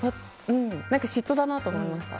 嫉妬だなと思いました。